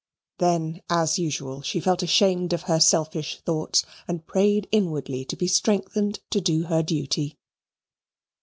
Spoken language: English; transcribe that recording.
Then, as usual, she felt ashamed of her selfish thoughts and prayed inwardly to be strengthened to do her duty.